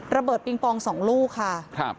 ระเบิดปิงปองสองลูกค่ะ